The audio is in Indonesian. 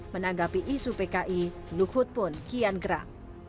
menanggapi isu pki luhut pun kian gerak